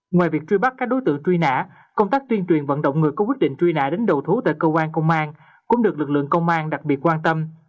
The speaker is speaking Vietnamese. ngoài việc truy bắt các đối tượng truy nã công tác tuyên truyền vận động người có quyết định truy nã đến đầu thú tại cơ quan công an cũng được lực lượng công an đặc biệt quan tâm